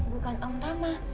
bukan om tama